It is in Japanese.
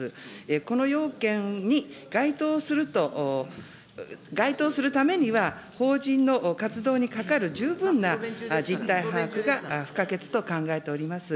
この要件に該当するためには法人の活動にかかる十分な実態把握が不可欠と考えております。